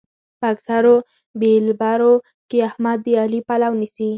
په اکثرو بېلبرو کې احمد د علي پلو نيسي.